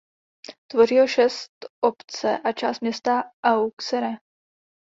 Tvoří ho šest obce a část města Auxerre.